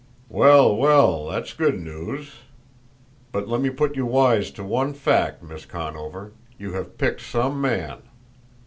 "Well, well; that's good news! But let me put you wise to one fact, Miss Conover: you have picked some man!